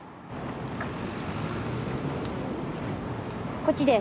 こっちです。